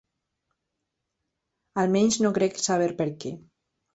Almenys no crec saber per què.